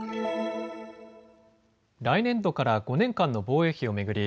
来年度から５年間の防衛費を巡り